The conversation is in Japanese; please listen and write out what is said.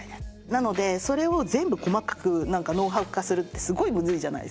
なのでそれを全部細かく何かノウハウ化するってすごいむずいじゃないですか。